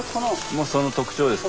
もうその特徴ですか？